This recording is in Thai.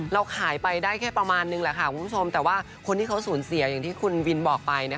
เราขายไปได้แค่ประมาณนึงแหละค่ะคุณผู้ชมแต่ว่าคนที่เขาสูญเสียอย่างที่คุณวินบอกไป